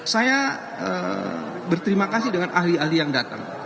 saya berterima kasih dengan ahli ahli yang datang